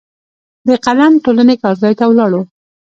د قلم ټولنې کار ځای ته ولاړو.